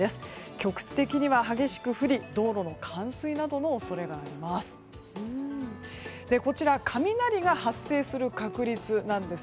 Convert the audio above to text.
局地的には激しく降り道路の冠水などの恐れがあります。